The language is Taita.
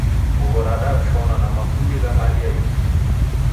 Nguwo ra harusi radashonwa na mafundi wa hali ya ighu.